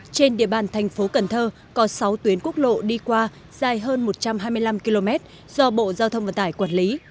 trên địa bàn thành phố cần thơ có sáu tuyến quốc lộ đi qua dài hơn một trăm hai mươi năm km do bộ giao thông vận tải quản lý